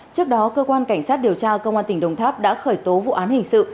trước đó cơ quan cảnh sát điều tra công an tỉnh đồng tháp đã khởi tố vụ án hình sự